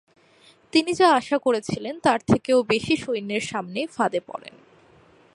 তিনি যা আশা করেছিলেন তার থেকেও বেশি সৈন্যের সামনে ফাঁদে পড়েন।